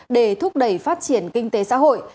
để thúc đẩy phát triển kinh tế xã hội